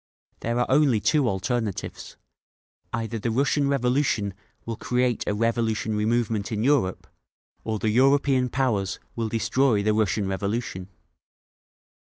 "There are only two alternatives; either the Russian Revolution will create a revolutionary movement in Europe, or the European powers will destroy the Russian Revolution!"